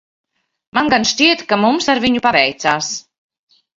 Man gan šķiet, ka mums ar viņu paveicās.